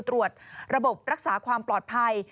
ตรวจระบบรักษาความปลอดภัย